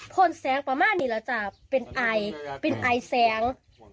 คนแสงประมาณนี้เราจะเป็นไอเป็นไอแสง